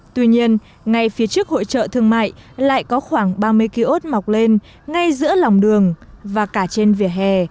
tuy nhiên ngay phía trước hội trợ thương mại lại có khoảng ba mươi kiosk mọc lên ngay giữa lòng đường và cả trên vỉa hè